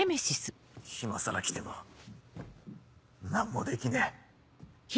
今更来ても何もできねえ。